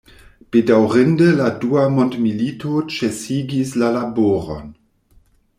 Bedaŭrinde la dua mondmilito ĉesigis la laboron.